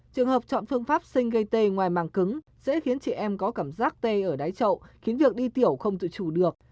trường hợp chọn phương pháp sinh gây tê ngoài màng cứng sẽ khiến chị em có cảm giác tê ở đáy trậu khiến việc đi tiểu không tự chủ được